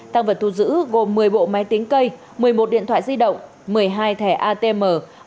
tăng vật thu giữ gồm một mươi bộ máy tính cây một mươi một điện thoại di động một mươi hai thẻ atm